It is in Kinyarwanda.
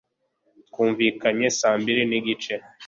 Twumvikanye saa mbiri nigice